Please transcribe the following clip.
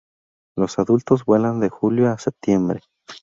Los adultos vuelan de julio a septiembre.